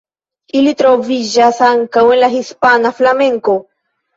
Ili troviĝas ankaŭ en la hispana flamenko.